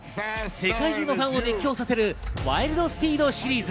世界中のファンを熱狂させる『ワイルド・スピード』シリーズ。